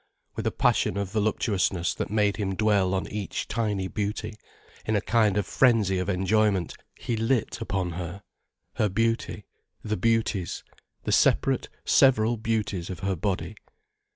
With a passion of voluptuousness that made him dwell on each tiny beauty, in a kind of frenzy of enjoyment, he lit upon her: her beauty, the beauties, the separate, several beauties of her body.